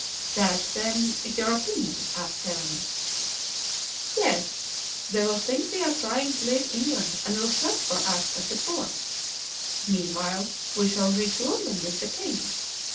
"That, then, is your opinion?" asked Aramis. "Yes. They will think we are trying to leave England and will search for us at the ports; meanwhile we shall reach London with the king.